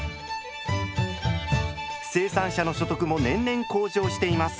生産者の所得も年々向上しています。